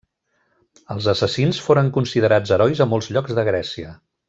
Els assassins foren considerats herois a molts llocs de Grècia.